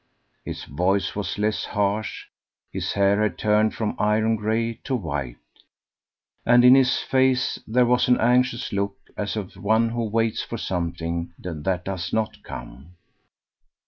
His voice was less harsh, his hair had turned from iron gray to white, and in his face there was an anxious look as of one who waits for something that does not come.